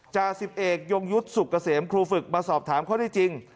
จ่า๑๑ยงยุทธ์สุขเกษมครูฝึกมาสอบถามเขาได้จริง